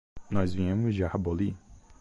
Nós viemos de Arbolí.